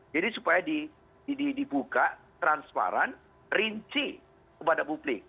jadi supaya dibuka transparan rinci kepada publik